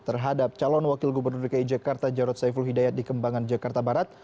terhadap calon wakil gubernur dki jakarta jarod saiful hidayat di kembangan jakarta barat